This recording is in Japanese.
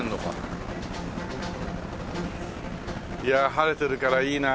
いや晴れてるからいいな。